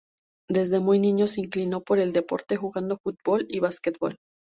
Desde muy niño se inclinó por el deporte, jugando fútbol y basquetbol.